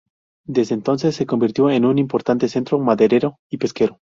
Desde entonces se convirtió en un importante centro maderero y pesquero.